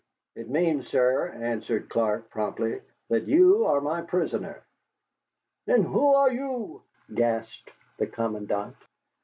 "It means, sir," answered Clark, promptly, "that you are my prisoner." "And who are you?" gasped the commandant.